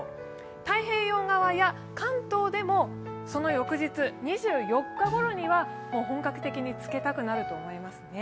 太平洋側や関東でもその翌日、２４日ごろには本格的につけたくなると思います。